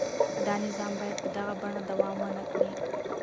دا نظام باید په دغه بڼه دوام ونه کړي.